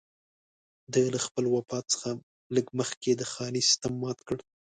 ده له خپل وفات څخه لږ مخکې د خاني سېسټم مات کړ.